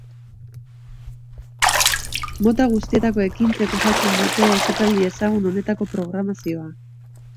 Mota guztietako ekintzek osatzen dute ekitaldi ezagun honetako programazioa.